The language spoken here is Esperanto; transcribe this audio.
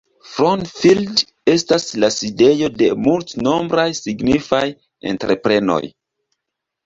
Frauenfeld estas la sidejo de multnombraj signifaj entreprenoj.